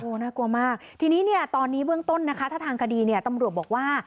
โอ้น่ากลัวมากทีนี้ตอนนี้เบื้องต้นถ้าทางคดีตำรวจบอกว่า